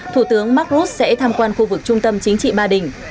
thủ tướng mark rutte sẽ tham quan khu vực trung tâm chính trị ba đình